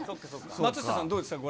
松下さん、どうでした？